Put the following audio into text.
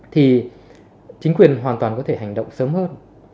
thì chính quyền hoàn toàn có thể hành động sớm hơn